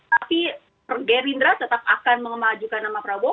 tapi gerindra tetap akan memajukan nama prabowo